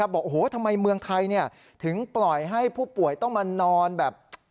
บอกโอ้โหทำไมเมืองไทยถึงปล่อยให้ผู้ป่วยต้องมานอนแบบ